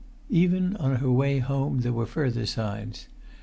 Even on her way home there were further signs.